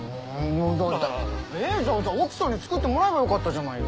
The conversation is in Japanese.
だったらじゃあじゃあ奥さんに作ってもらえばよかったじゃないよ。